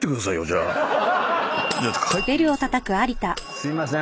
すいません。